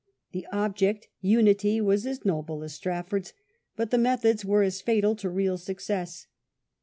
The object, unity, was as noble as Strafford's, but the methods were as fatal to real success.